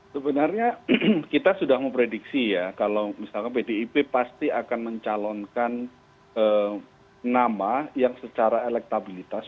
sebenarnya kita sudah memprediksi ya kalau misalkan pdip pasti akan mencalonkan nama yang secara elektabilitas